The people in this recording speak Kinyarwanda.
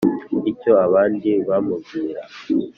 icyo abandi bamubwira